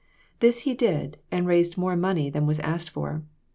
This he did and raised more money than was asked for.